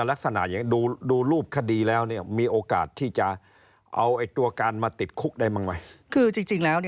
ลักษณะไหนอย่าดูรูปข้าดีแล้ว